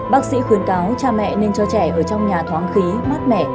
bác sĩ khuyến cáo cha mẹ nên cho trẻ ở trong nhà thoáng khí mát mẻ